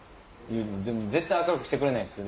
絶対明るくしてくれないんすよ。